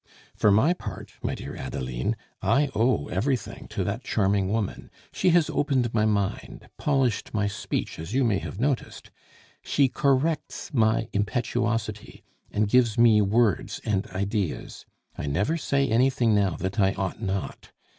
For my part, my dear Adeline, I owe everything to that charming woman; she has opened my mind, polished my speech, as you may have noticed; she corrects my impetuosity, and gives me words and ideas. I never say anything now that I ought not.